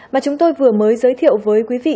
mà chúng tôi vừa mới giới thiệu với quý vị